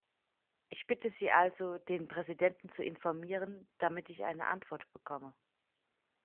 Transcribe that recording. Ich bitte Sie also, den Präsidenten zu informieren, damit ich eine Antwort bekomme.